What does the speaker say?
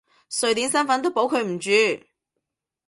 瑞典身份都保佢唔住！